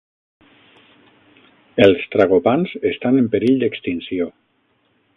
Els tragopans estan en perill d'extinció.